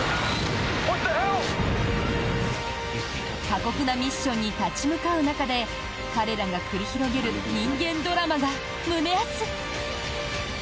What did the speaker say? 過酷なミッションに立ち向かう中で彼らが繰り広げる人間ドラマが胸熱！